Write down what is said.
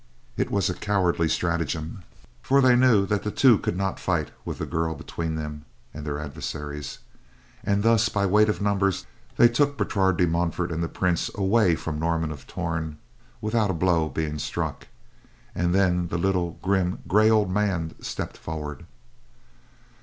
It was a cowardly strategem, for they knew that the two could not fight with the girl between them and their adversaries. And thus, by weight of numbers, they took Bertrade de Montfort and the Prince away from Norman of Torn without a blow being struck, and then the little, grim, gray, old man stepped forward.